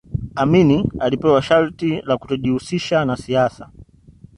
amini alipewa sharti la kutojihusisha na siasa